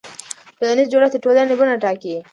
ټولنیز جوړښت د ټولنې بڼه ټاکي.